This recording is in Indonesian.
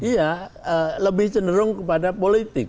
iya lebih cenderung kepada politik